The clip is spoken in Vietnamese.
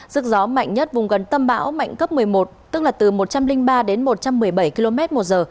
sức gió mạnh nhất vùng gần tâm bão mạnh cấp một mươi một tức là từ một trăm linh ba đến một trăm một mươi bảy km một giờ